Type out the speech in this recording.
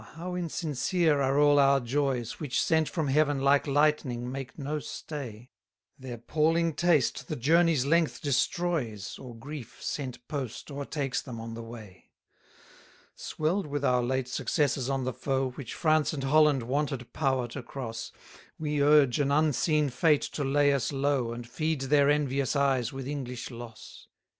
how insincere are all our joys! Which, sent from heaven, like lightning make no stay; Their palling taste the journey's length destroys, Or grief, sent post, o'ertakes them on the way. 210 Swell'd with our late successes on the foe, Which France and Holland wanted power to cross, We urge an unseen fate to lay us low, And feed their envious eyes with English loss.